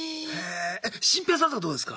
シンペイさんとかどうですか？